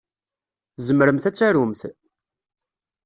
Tzemremt ad tarumt?